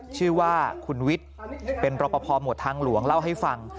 ชื่อว่าคุณวิทย์เป็นรอปภหมวดทางหลวงเล่าให้ฟัง